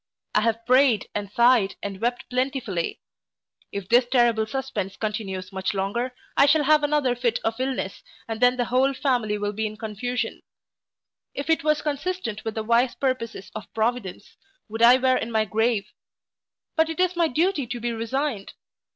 I have prayed, and sighed, and wept plentifully. If this terrible suspence continues much longer, I shall have another fit of illness, and then the whole family will be in confusion If it was consistent with the wise purposes of Providence, would I were in my grave But it is my duty to be resigned.